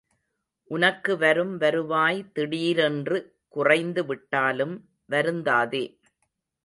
உனக்கு வரும் வருவாய் திடீரென்று குறைந்து விட்டாலும் வருந்தாதே.